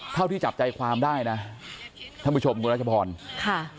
เท่าที่จับใจความได้นะท่านผู้ชมคุณรัชพรค่ะ